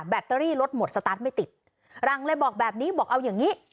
แตรี่รถหมดสตาร์ทไม่ติดรังเลยบอกแบบนี้บอกเอาอย่างงี้